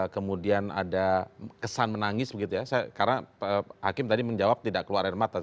kemudian ada kesan menangis begitu ya karena hakim tadi menjawab tidak keluar air mata